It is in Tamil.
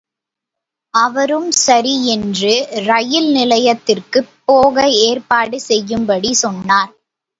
அவரும் சரி என்று இரயில் நிலையத்திற்குப் போக ஏற்பாடு செய்யும்படி சொன்னார்.